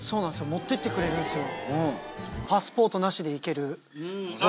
持ってってくれるんすよ。